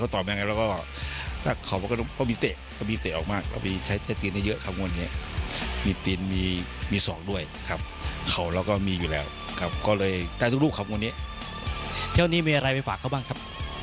ช่วงนี้มีอะไรไปฝากเขาบ้างครับ